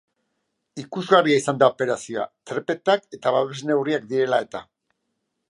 Ikusgarria izan da operazioa, trepetak eta babesneurriak direla eta.